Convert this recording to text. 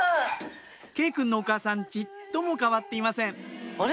慶くんのお母さんちっとも変わっていませんあれ？